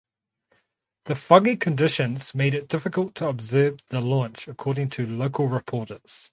The foggy conditions made it difficult to observe the launch according to local reporters.